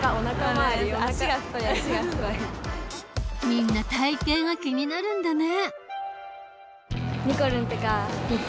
みんな体型が気になるんだね。